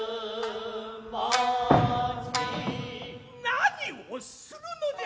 何をするのじゃ。